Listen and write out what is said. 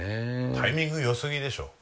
タイミングよすぎでしょ。